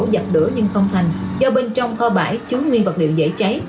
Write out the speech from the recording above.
giặt lửa nhưng không thành do bên trong kho bãi chứa nguyên vật liệu dễ cháy